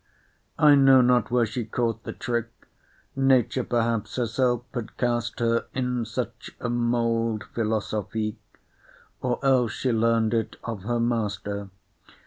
I know not where she caught the trick Nature perhaps herself had cast her In such a mould philosophique, Or else she learn'd it of her master.